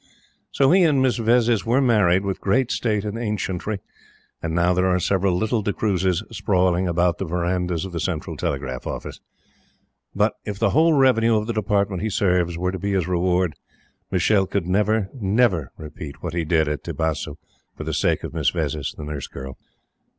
So he and Miss Vezzis were married with great state and ancientry; and now there are several little D'Cruzes sprawling about the verandahs of the Central Telegraph Office. But, if the whole revenue of the Department he serves were to be his reward Michele could never, never repeat what he did at Tibasu for the sake of Miss Vezzis the nurse girl.